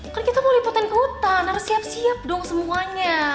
kan kita mau liputan ke hutan harus siap siap dong semuanya